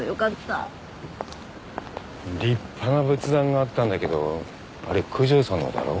立派な仏壇があったんだけどあれ九条さんのだろ？